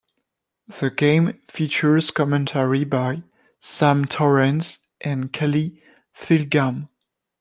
The game features commentary by Sam Torrance and Kelly Tilghman.